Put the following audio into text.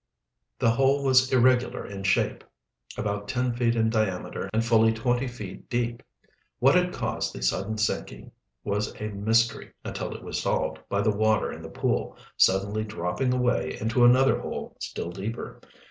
The hole was irregular in shape, about ten feet in diameter and fully twenty feet deep. What had caused the sudden sinking was a mystery until it was solved by the water in the pool suddenly dropping away into another hole still deeper.